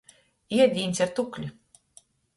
Iedīņs ar tukli.